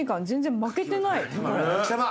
全然負けてない。